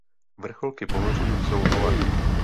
Vrcholky pohoří jsou holé.